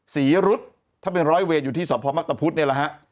ศรีรุษถ้าเป็นร้อยเวรอยู่ที่สพมักตะพุทธเนี่ยแหละฮะ